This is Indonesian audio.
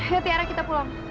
ya tiara kita pulang